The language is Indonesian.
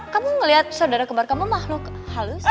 kamu ngeliat saudara kembar kamu mahluk halus